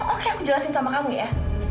oke aku jelasin sama kamu ya